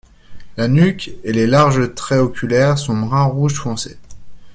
La nuque et les larges traits oculaires sont brun rouge foncé.